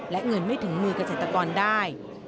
และเงินไม่ถึงมือเกษตรกรได้